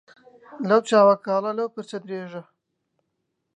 لەو چاوە کاڵە لەو پرچە درێژە